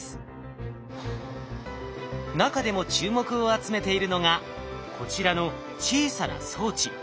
中でも注目を集めているのがこちらの小さな装置。